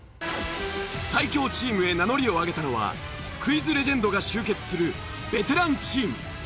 最強チームへ名乗りを上げたのはクイズレジェンドが集結するＳｎｏｗＭａｎ